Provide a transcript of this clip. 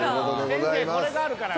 先生これがあるからな。